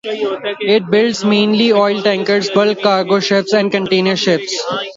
It builds mainly oil tankers, bulk cargo ships, and container ships.